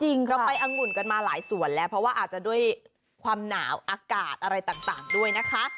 เราไปองุ่นกันมาหลายส่วนแล้วเพราะว่าอาจจะด้วยความหนาวอากาศอะไรต่างด้วยนะคะ